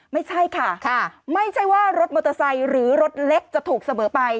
ไม่ใช่ค่ะไม่ใช่ว่ารถมอเตอร์ไซค์หรือรถเล็กจะถูกเสมอไป